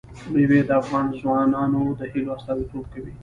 مېوې د افغان ځوانانو د هیلو استازیتوب کوي.